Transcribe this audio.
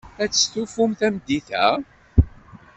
Ad testufum tameddit-a?